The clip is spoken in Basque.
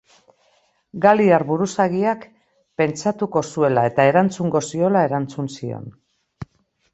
Galiar buruzagiak, pentsatuko zuela eta erantzungo ziola erantzun zion.